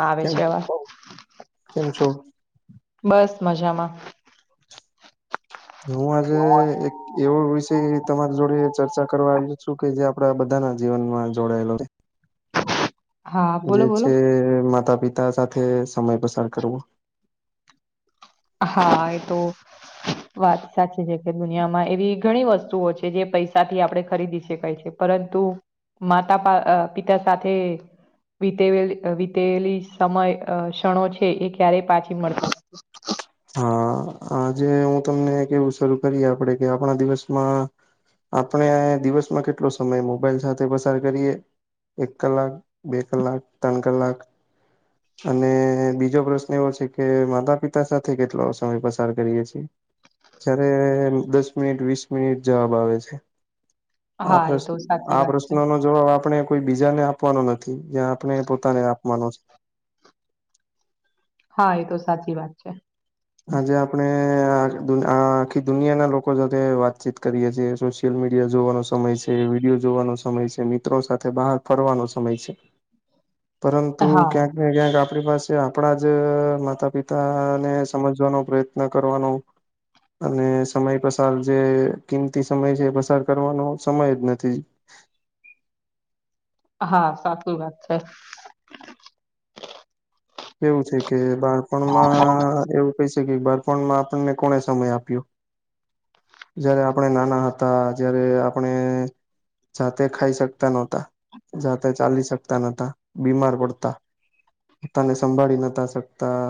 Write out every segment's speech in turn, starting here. આવે કેમ છે અવા બ‌ઉ કેમ છો બસ મજામાં. હું આજે એક એવો વિષય તમારી જોડે ચર્ચા કરવા આવ્યો છું કે જે આપડા બધા ના જીવનમાં જોડાયેલો રે. હા બોલો જે બોલો છે માતા પિતા સાથે સમય પસાર કરવો. હા એ તો વાત સાચી છે કે દુનિયામાં એવી ઘણી વસ્તુઓ છે જે પૈસા થી આપડણે ખરીદી શકાય છે. પરંતુ માતા પા અ પિતા સાથે. વીતેવેલી વીતેલી સમય અ ક્ષણો છે એ ક્યારેય પાછી મળતો. [unintelligible] હા આજે હું તમને કેવું શરૂ કરીએ આપડે કે આપણા દિવસમાં આપણે દિવસમાં કેટલો સમય મોબાઈલ સાથે પસાર કરીએ એક કલાક બે કલાક ત્રણ કલાક અને બીજો પ્રશ્ન એવો છે કે માતા પિતા સાથે કેટલો સમય પસાર કરીએ છીએ. જયારે દસ મિનિટ વીસ મિનિટ જવાબ આવે છે. આ હા એ પ્રશ્ન તો સાચી આ વાત છે પ્રશ્નનો જો આપણે કોઈ બીજા ને આપવાનો નથી જ્યાં આપણે પોતાને આપવાનો છે. હા એ તો સાચી વાત છે. આજે આપણેે આ આખી દુનિયા ના લોકો સાથે વાતચીત કરીએ છીએ શું. સોશિયલ મીડિયા જોવાનો સમય છે વિડીયો જોવાનો સમય છે મિત્રો સાથે બહાર ફરવાનો સમય છે. [unintelligible] પરંતુ હા ક્યાંક ને ક્યાંક આપણી પાસે આપણા જ માતા પિતાને હમજવાનો પ્રયત્ન કરવાનો. અને સમય પસાર જે કિંમતી સમય છે એ પસાર કરવાનો સમય જ નથી. હા સાચી વાત છે. કેવું છે કે બાળપણમાં એવું કઈ શકી બાળપણમાં આપણને કોને સમય આપ્યો જયારે આપણે નાના હતા જયારે આપણે જાતે ખાઈ શકતા નહોતા જાતે ચાલી શકતા નહોતા બીમાર પડતા પોતાને સંભાળી નોતા શકતા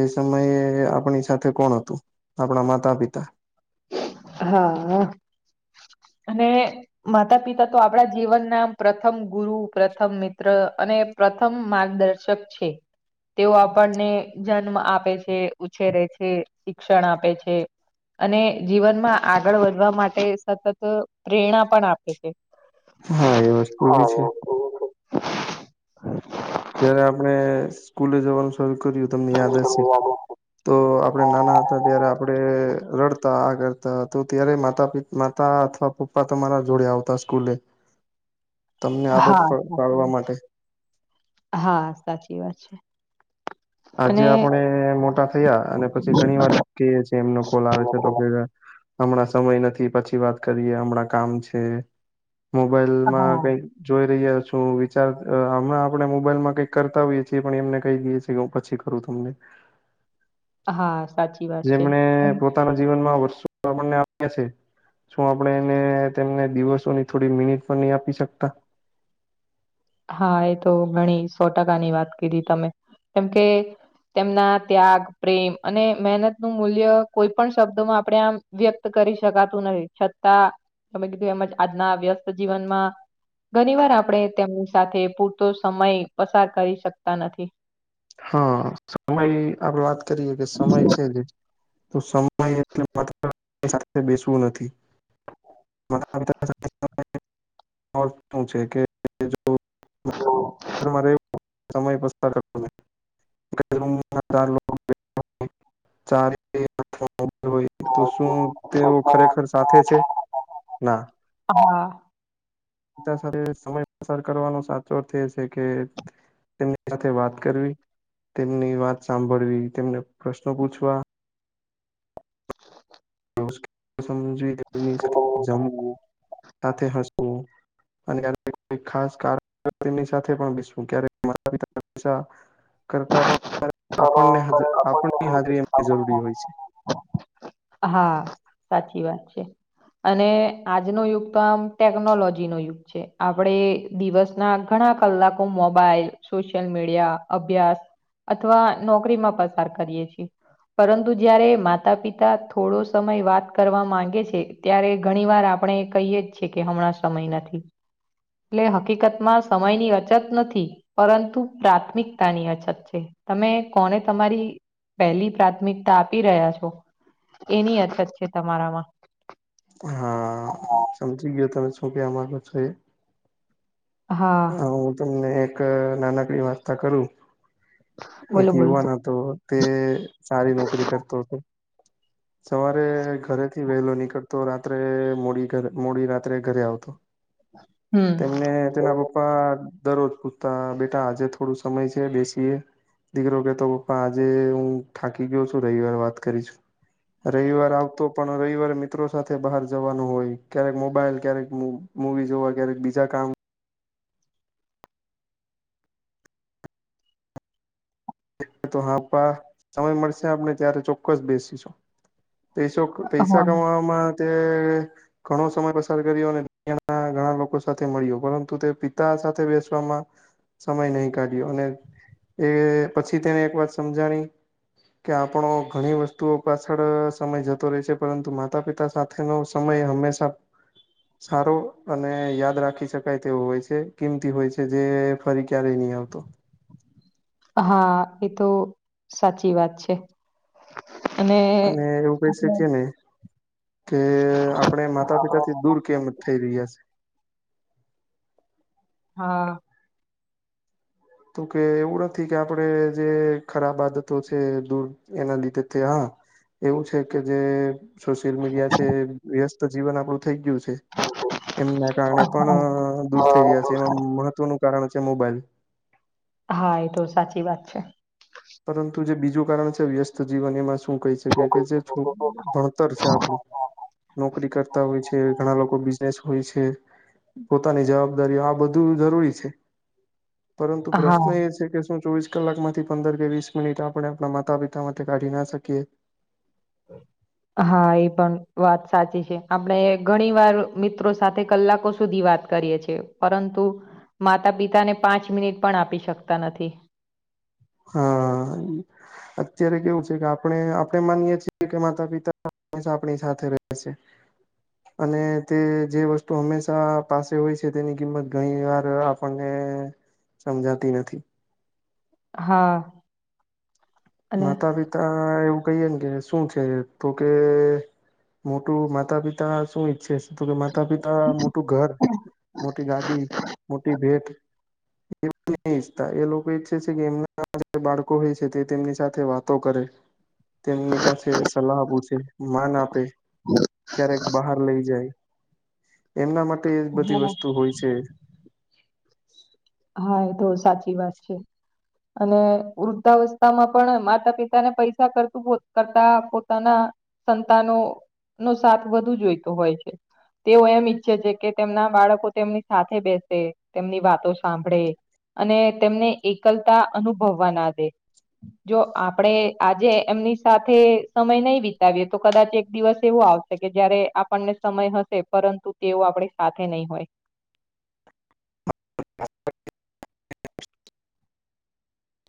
એ સમયે આપણી સાથે કોણ હતું આપણા માતા પિતા હા અને માતા પિતા તો આપડા જીવન ના પ્રથમ ગુરુ પ્રથમ મિત્ર અને પ્રથમ માર્ગદર્શક છે. તેઓ આપણને જન્મ આપે છે ઉછેરે છે શિક્ષણ આપે છે. અને જીવનમાં આગળ વધવા માટે સતત પ્રેરણા પણ આપે છે હા એ વસ્તુ બી છે. ઓ [unintelligible] જયારે આપણે સ્કૂલે જવાનું શરૂ કર્યું તમને યાદ હશે. તો આપણે નાના હતા ત્યારે આપડે રડતા આ કરતા તો ત્યારે માતા પિતા માતા અથવા પપ્પા તમારા જોડે આવતા સ્કૂલે તમને આદત પા પાડવા માટે. હા સાચી વાત છે. આજે અને આપણે મોટા થયા અને પછી ઘણી વાર કે છે એમનો કોલ આવે છે તો કે હમણાં સમય નથી પછી વાત કરીએ હમણાં કામ છે મોબાઈલમાં હા કઈક જોઈ રહ્યા છું વિચાર હમણાં આપડણે મોબાઈલ માં કઈક કરતા હોઈએ છીએ પણ એમને કહી દઈે છીએ પછીું તમને હા સાચી વાત છે જેમ પોતાના જીવનમાં વર્ષો આપને આપ્યા છે શું આપડણે એને તેમને દિવસોની થોડી મિનિટ પર નહી આપી શકતા હા એ તો ઘણી સો ટકાની વાત કીધી તમે કેમ કે તેમના ત્યાગ પ્રેમ અને મહેનત નું મૂલ્ય કોઈ પણ શબ્દોમાં આપણે આમ વ્યક્ત કરી શકાતું નથીહી છતાં તમે કીધું એમજ આજના વ્યસ્ત જીવનમાં ઘણી વાર આપણેે તેમની સાથે પૂરતો સમય પસાર કરી શકતા નથી હા સમય આપડ વાત કરીએ કે સમય છે જ તો સમય એટલે માત્ર સાથે બેસવું નથી શું છે કે સમય પ [unintelligible] હોય તો શું તેઓ ખરેખર સાથે છે ના. હા સાથે સમય પસાર કરવાનો સાચો અર્થ એ છે કે સાથે વાત કરવી તેમની વાત સાંભળવી તેમને પ્રશ્નો પૂછવા સમજવી એની જમવું સાથે હસવું અને ખાસ કારની સાથેસવું્યારે કરતાં પણ તો આપણ આપણને આપણની હાજરી એમની આપણને જરૂરી હોય છે હા સાચી વાત છે અને આજનો યુગ તો આમ ટેકનોલોજી નો યુગ છે આપડે દિવસ ના ઘણા કલાકો મોબાઈલ સોશિયલ મીડિયા અભ્યાસ અથવા નોકરી માં પસાર કરીએ છીએ પરંતુ જયારે માતા પિતા થોડો સમય વાત કરવા માંગે છે ત્યારે ઘણી વાર આપણે કહીએ જ છેએ કે હમણાં સમય નથી એટલે હકીકતમાં સમયની અછત નથી પરંતુ પ્રાથમિકતાની અછત છે તમે કોને તમારી પહેલી પ્રાથમિકતા આપી રહ્યા છો એની અછત છે તમારામાં હા સમજી ગયો તમે શો કે આમાં તો છો એ હા હ હું તમને એક નાનકડી વાર્તા કરું એક બોલો બોલો યુવાન હતો તે સારી નોકરી કરતો હતો સવારે ઘરેથી વહેલો નીકળતો રાત્રે મોડી મોડી રાત્રે ઘરે આવતો હમ તેમને તેના પ્પા દરરોજ પૂછતા બેટા આજે થોડું સમય છે બેસીએ દીકરો કેતો પપ્પા આજે હું થાકી ગયો છું રવિવાર વાત કરીશું રવિવાર આવતો પણ રવિવારે મિત્રો સાથે બહાર જવાનું હોય ક્યારેક મોબાઈલ ક્યારેક મુવીઝ વગેરે બીજા કામ તો હા સમય મળશે આપને ત્યારે ચોક્કસ બેસીશું પૈસો પૈસા હા કમાવામાં તે ઘણો સમય પસાર કર્યો અને ઘણા લોકો સાથે મળ્યો પરંતુ તે પિતા સાથે બેસવામાં સમય નહી કાઢ્યો અને એ પછી તેને એક વાત સમજાણી કે આપણો ઘણી વસ્તુઓ પાછળ સમય જતો રહેે છે પરંતુ માતા પિતા સાથે ન સમય હંમેશા સારો અને યાદ રાખી શકાય તેવો હોય છે કિંમતી હોય છે જે ફરી ક્યારેય નહી આવતો હા એ તો સાચી વાત છે અને એવું કહી આપણે શકીએ ને કે આપણે માતા પિતા દૂર કેમ જ થઈ રહ્યા છે. હા. તો કે એવું નથી કે આપડે જે ખરાબ આદતો છે દૂર એના લીધે તે હા એવું છે કે જે સોશિયલ મીડિયા છે વ્યસ્ત જીવન આપડું થઈ ગયું છે. એમના કારણે હા પણ દૂર થઈ રહ્યા છે એમાં મહત્વનું કારણ છે મોબાઈલ હા એ તો સાચી વાત છે. પરંતુ જે બીજું કારણ છે વ્યસ્ત જીવન એમાં શ શું કહી શકી કે જે ભણતર છે આપણું. નોકરી કરતા હોય છે ઘણા લોકો બ હોય છે પોતાની જવાબદારીઓ આ બધું જરૂરી છે. પરંતુ પ્રશ્ન હા એ છે કે શું ચોવીસ કલાક માંથી પંદર વીસ મિનિટ આપણે આપણા માતા પિતામાં કાઢી ના શકીએ [inaudible] હા એ પણ વાત સાચી છે આપણે ઘણી વાર મિત્રો સાથે કલાકો સુધી વાત કરીએ છે પરંતુ માતા પિતાને પાંચ મિનિટ પણ આપી શકતા નથી. હા. અત્યારે કેવું છે કે આપણે આપણે માનીએ છીએ કે માતા પિતા આપણી સાથે રહેશે. [inaudible] અને તે જે વસ્તુ હંમેશા પાસે હોય છે તેની કિંમત ઘણી વાર આપણને સમજાતી નથી. હા અને માતા પિતા એવું કહીએ ને કે શું છે તો કે મોટું માતા પિતા શું ઈચ્છે તો કે માતા પિતા મોટું ઘર મોટી ગાડી મોટી ભેટ એ ઈચ્છતા એ લોકો ઈચ્છે છે કે એમના જે બાળકો હોય છે તે તેમની સાથે વાતો કરે તેમની પાસે સલાહ પૂછે માન આપે ક્યારેક બહાર લઈ જાય એમના માટે એ બધી હા વસ્તુ હોય છે. હા એ તો સાચી વાત છે. અને વૃદ્ધાવસ્થા માં પણ માતા પિતા ને પૈસા કરતું કરતા પોતાના સંતાનો નો સાથ વધુ જોઈતો હોય છે. તેઓ એમ ઈચ્છે છે કે તેમના બાળકો તેમની સાથે બેસે તેમની વાતો સાંભળે અને તેમને એકલતા અનુભવવા ના દે જો આપડે આજે એમની સાથે સમય નહી વિતાવીએ તો કદાચ એક દિવસ એવું આવશે. કે જયારે આપણને સમય હશે પરંતુ તેવ આપડી સાથે નહી હોય.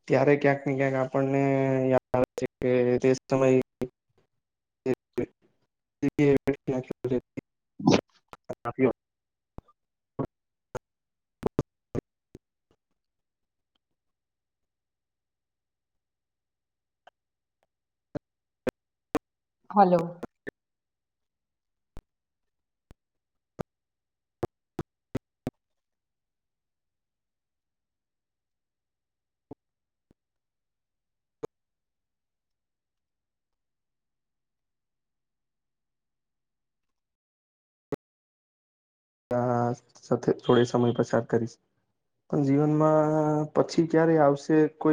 ત્યારે ક્યાંક ને ક્યાંક આપણને યાદ આવે છે કે તે સમય [unintelligible] [unintelligible] હાલો. ત્યા સાથે થોડે સમય પસાર કરીશ. પણ જીવનમાં પછી ક્યારે આવશે કોઈ.